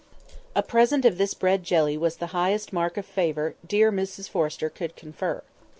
A present of this bread jelly was the highest mark of favour dear Mrs Forrester could confer.